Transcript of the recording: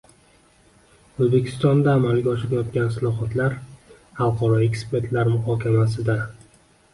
O‘zbekistonda amalga oshirilayotgan islohotlar xalqaro ekspertlar muhokamasidang